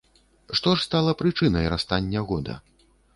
Што ж стала прычынай расстання года?